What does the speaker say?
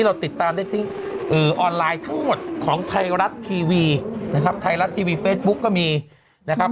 เราติดตามได้ที่ออนไลน์ทั้งหมดของไทยรัฐทีวีนะครับไทยรัฐทีวีเฟซบุ๊กก็มีนะครับ